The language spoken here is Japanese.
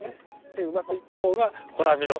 でうまくいった方がほら見ろ。